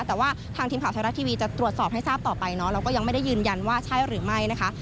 แต่ว่าทางทีมข่าวไทยรัฐทีวีจะตรวจสอบให้ทราบต่อไปเนาะแล้วก็ยังไม่ได้ยืนยันว่าใช่หรือไม่นะคะ